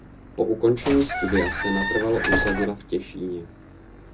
Po ukončení studia se natrvalo usadila v Těšíně.